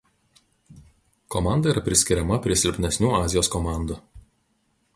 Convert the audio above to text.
Komanda yra priskiriama prie silpnesnių Azijos komandų.